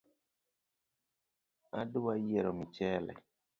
Adwa yiero michele